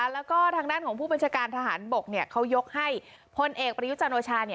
แล้วก็ทางด้านของผู้บัญชาการทหารบกเขายกให้พลเอกประยุจันโอชา